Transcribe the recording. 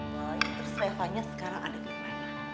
terus revanya sekarang ada dimana